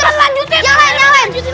yang lain lanjutin